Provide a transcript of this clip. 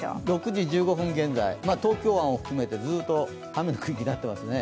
６時１５分現在、東京湾を含めてずっと雨の区域になっていますね。